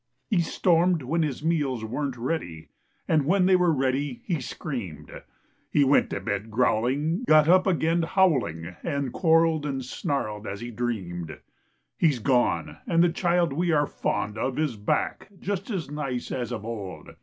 He stormed when his meals weren't ready, And when they were ready, he screamed. He went to bed growling, got up again howling And quarreled and snarled as he dreamed. He's gone, and the child we are fond of Is back, just as nice as of old.